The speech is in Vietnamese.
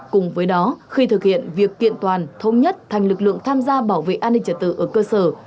cùng với đó khi thực hiện việc kiện toàn thông nhất thành lực lượng tham gia bảo vệ an ninh trật tự ở cơ sở